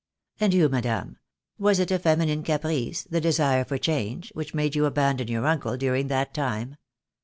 "And you, madame. Was it a feminine caprice, the desire for change, which made you abandon your uncle during that time?"